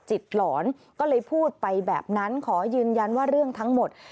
หลอนก็เลยพูดไปแบบนั้นขอยืนยันว่าเรื่องทั้งหมด